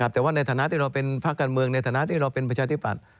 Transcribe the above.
แต่ว่าในฐานะที่เราเป็นภาคการเมืองในฐานะที่เราเป็นประชาธิปัตย